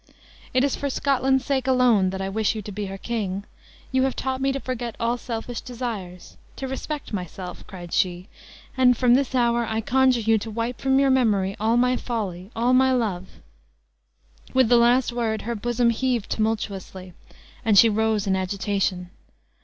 It is for Scotland's sake alone that I wish you to be her king. You have taught me to forget all selfish desires to respect myself," cried she; "and, from this hour I conjure you to wipe from your memory all my folly all my love " With the last word her bosom heaved tumultuously, and she rose in agitation.